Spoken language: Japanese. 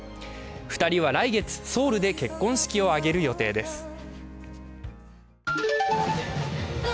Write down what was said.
２人は来月、ソウルで結婚式を挙げる予定です。